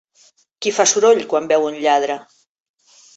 Qui fa soroll quan veu un lladre?